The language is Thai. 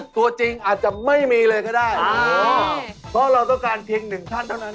ตัวจริงอาจจะไม่มีเลยก็ได้เพราะเราต้องการเพียงหนึ่งท่านเท่านั้น